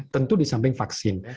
tentu di samping vaksin